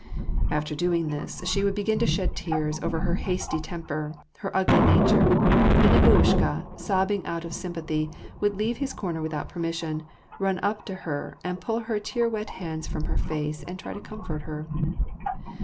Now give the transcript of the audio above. After doing this, she would begin to shed tears over her hasty temper, her ugly nature ; and Nikolushka, sobbing out of sympathy, would leave his corner without permission, run up to her, and pull her tear wet hands from her face, and try to comfort her.